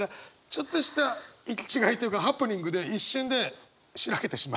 ちょっとした行き違いというかハプニングで一瞬で白けてしまう。